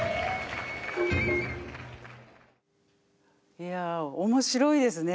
いや面白いですね。